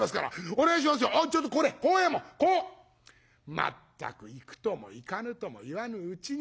まったく行くとも行かぬとも言わぬうちに。